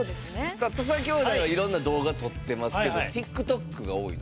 さあ土佐兄弟はいろんな動画撮ってますけどＴｉｋＴｏｋが多いの？